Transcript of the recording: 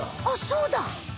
あっそうだ。